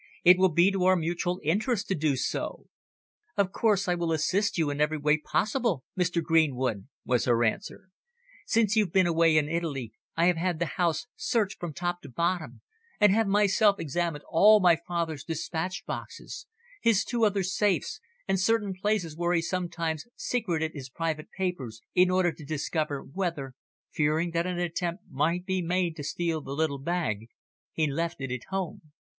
"It will be to our mutual interests to do so." "Of course I will assist you in every way possible, Mr. Greenwood," was her answer. "Since you've been away in Italy I have had the house searched from top to bottom, and have myself examined all my father's dispatch boxes, his two other safes, and certain places where he sometimes secreted his private papers, in order to discover whether, fearing that an attempt might be made to steal the little bag, he left it at home.